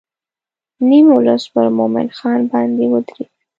نیم ولس پر مومن خان باندې ودرېد.